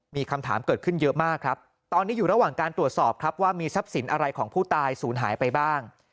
มีคำถามเกิดขึ้นเยอะมากครับตอนนี้อยู่ระหว่างการตรวจสอบครับว่ามีทรัพย์สินอะไรของผู้ตายศูนย์หายไปบ้าง